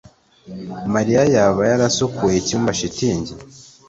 Mariya yaba yarasukuye icyumba shitingi